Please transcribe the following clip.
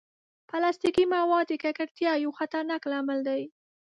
پلاستيکي مواد د ککړتیا یو خطرناک لامل دي.